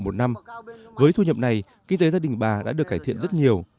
một năm với thu nhập này kinh tế gia đình bà đã được cải thiện rất nhiều